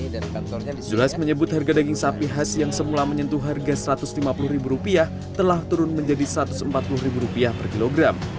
zulkifli hasan menyebut harga daging sapi khas yang semula menyentuh harga rp satu ratus lima puluh telah turun menjadi rp satu ratus empat puluh per kilogram